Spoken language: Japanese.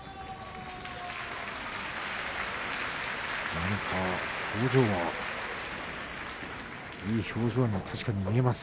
何か表情はいい表情に確かに見えます。